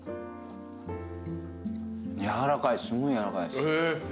やわらかいすごいやわらかいです。